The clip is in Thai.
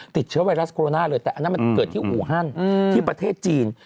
ติดเชื้อไวรัสโคโรนาเลยแต่อันนั้นมันเกิดที่อูฮันที่ประเทศจีน